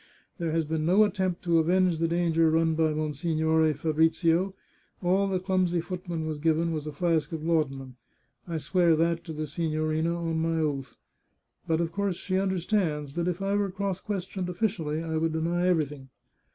There has been no attempt to avenge the danger run by Monsignore Fabrizio ; all the clumsy footman was given was a flask of laudanum. I swear that to the signorina on my oath. But of course she understands that if I were cross questioned officially I should deny everything.